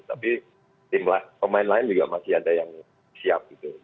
tapi tim pemain lain juga masih ada yang siap gitu